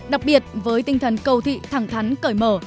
đặc biệt với tinh thần cầu thị thẳng thắn cởi mở